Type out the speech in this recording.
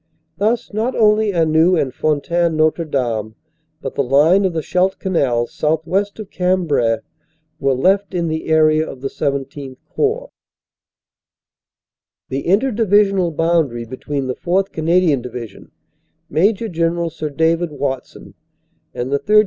Thus not only Anneux and Fontaine Notre Dame, but OPERATIONS: SEPT. 27 221 the line of the Scheldt Canal southwest of Cambrai, were left in the area of the XVII Corps. The inter divisional boundary between the 4th. Canadian Division, Maj. General Sir David Watson, and the 3rd.